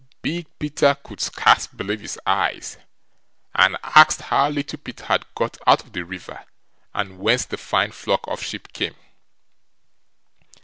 Big Peter could scarce believe his eyes, and asked how Little Peter had got out of the river, and whence the fine flock of sheep came.